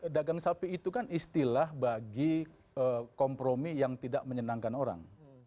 dagang sapi itu kan istilah bagi kompromi yang tidak menyenangkan orang